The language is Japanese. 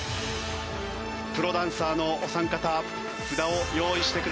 プロダンサーのお三方札を用意してください。